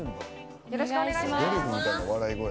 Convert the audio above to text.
よろしくお願いします。